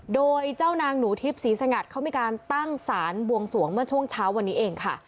โดยเจ้านางหนูทิพย์ศรีสงัดเขามีการตั้งสารบวงสวงเมื่อช่วงเช้าวันนี้เองค่ะ